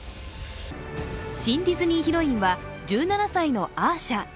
新ディズニーヒロインは１７歳のアーシャ。